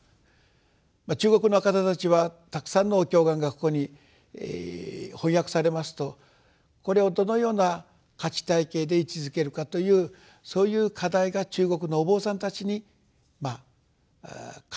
中国の方たちはたくさんのお経巻がここに翻訳されますとこれをどのような価値体系で位置づけるかというそういう課題が中国のお坊さんたちに課せられたわけですよね。